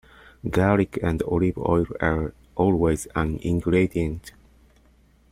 Garlic and olive oil are always an ingredient.